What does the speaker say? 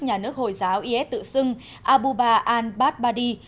nhà nước hồi giáo is tự xưng abubar al baghdadi